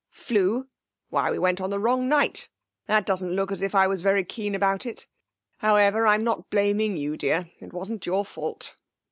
'Flew? Why, we went on the wrong night. That doesn't look as if I was very keen about it! However, I'm not blaming you, dear. It wasn't your fault.